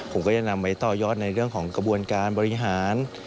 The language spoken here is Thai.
ผมก็จะนำไว้ต่อยอดในเรื่องของกระบวนการบริหาร